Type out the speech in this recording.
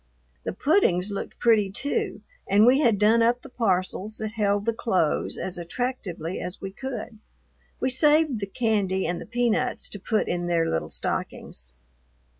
The puddings looked pretty, too, and we had done up the parcels that held the clothes as attractively as we could. We saved the candy and the peanuts to put in their little stockings.